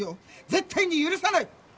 絶対に許さない！